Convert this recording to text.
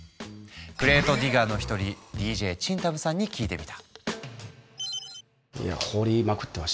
クレートディガーの一人ＤＪＣＨＩＮＴＡＭさんに聞いてみた。